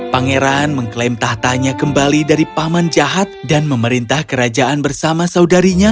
pangeran mengklaim tahtanya kembali dari paman jahat dan memerintah kerajaan bersama saudarinya